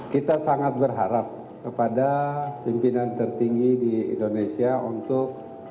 kita sangat berharap kepada pimpinan tertinggi di indonesia untuk